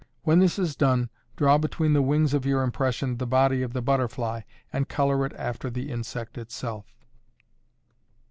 When this is done, draw between the wings of your impression the body of the butterfly, and color it after the insect itself.